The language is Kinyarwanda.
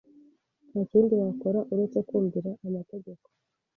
Nta kindi wakora uretse kumvira amategeko